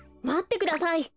まってください！